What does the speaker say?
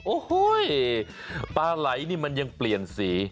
โอ้โหปลาไหลนี่มันยังเปลี่ยนสี